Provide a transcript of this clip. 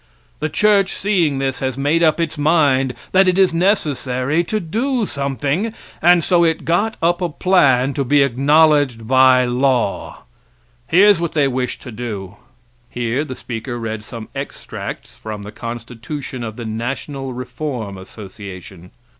The church seeing this has made up its mind that it is necessary to do something, and so got up a plan to be acknowledged by law. Here's what they wish to do: [Here the speaker read some extracts from the constitution of the National Reform Association.